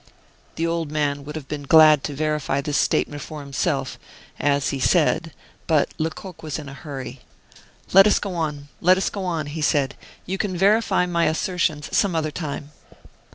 The old man would have been glad to verify this statement for himself, as he said, but Lecoq was in a hurry. "Let us go on, let us go on!" said he. "You can verify my assertions some other time."